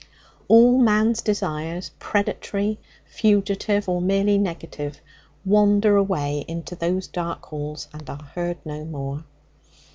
All man's desires predatory, fugitive, or merely negative wander away into those dark halls, and are heard no more.